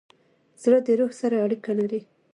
زړه د روح سره اړیکه لري.